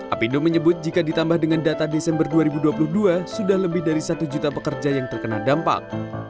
apindo menyebut jika ditambah dengan data desember dua ribu dua puluh dua sudah lebih dari satu juta pekerja yang terkena dampak